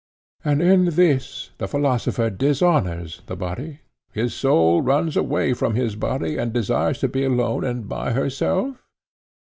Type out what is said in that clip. And in this the philosopher dishonours the body; his soul runs away from his body and desires to be alone and by herself?